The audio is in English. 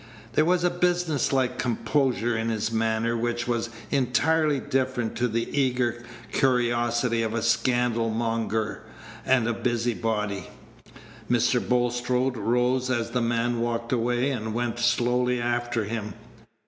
There was a business like composure in his manner which was entirely different to the eager curiosity of a scandal monger and a busybody. Mr. Bulstrode rose as the man walked away, and went slowly after him.